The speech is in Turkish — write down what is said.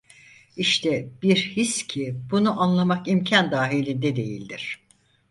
İşte bir his ki bunu anlamak imkân dahilinde değildir.